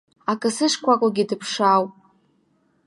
Акасы шкәакәагьы дыԥшаауп.